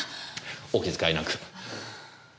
お気遣いなく。